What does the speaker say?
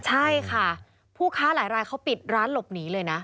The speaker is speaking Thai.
ใช่ค่ะผู้ค้าหลายรายเขาปิดร้านหลบหนีเลยนะ